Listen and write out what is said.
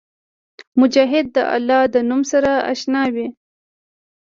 مجاهد د الله د نوم سره اشنا وي.